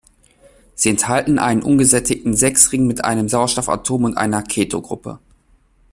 Sie enthalten einen ungesättigten Sechsring mit einem Sauerstoffatom und einer Ketogruppe.